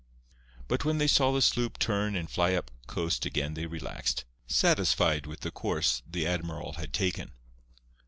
But when they saw the sloop turn and fly up coast again they relaxed, satisfied with the course the admiral had taken.